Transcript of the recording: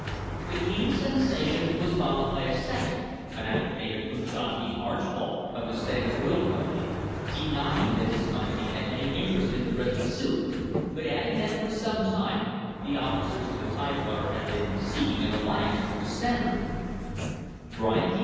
The Keene sensation was followed by a second, an affidavit from John D. Archbold, of the Standard Oil Company, deny ing that his company had any interest in the present suit, but adding that for some time the officers of the Tidewater had been seeking an alliance with the Standard: "Byron D.